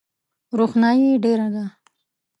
روښنایي ډېره ده .